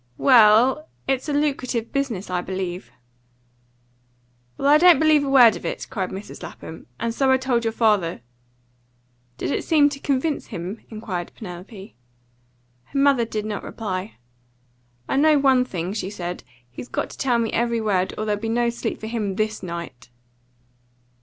"Well, it's a lucrative business, I believe." "Well, I don't believe a word of it!" cried Mrs. Lapham. "And so I told your father." "Did it seem to convince him?" inquired Penelope. Her mother did not reply. "I know one thing," she said. "He's got to tell me every word, or there'll be no sleep for him THIS night."